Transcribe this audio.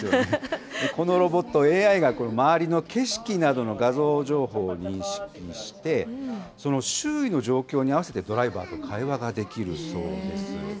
このロボット、ＡＩが周りの景色などの画像情報を認識して、その周囲の状況に合わせてドライバーと会話ができるそうです。